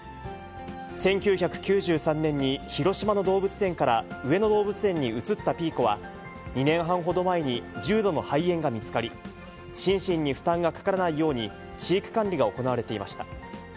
１９９３年に広島の動物園から上野動物園に移ったピーコは、２年半ほど前に重度の肺炎が見つかり、心身に負担がかからないように、飼育管理が行われていました。